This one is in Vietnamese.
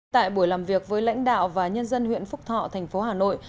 tại buổi làm việc với lãnh đạo và nhân dân huyện phúc thọ thành phố hà nội